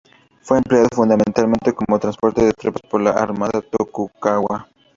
Fue empleado fundamentalmente como transporte de tropas por la armada Tokugawa.